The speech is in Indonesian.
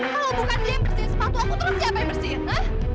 kalau bukan dia yang bersihin sepatu aku terus siapa yang bersihin